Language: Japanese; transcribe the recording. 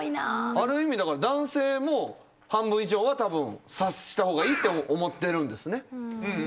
ある意味だから男性も半分以上は多分察したほうがいいって思ってるんですね。